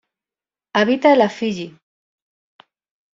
Habita en las Fiyi.